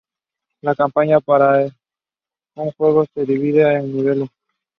It concerned issues that had arisen at the "Banca Popolare Triestina".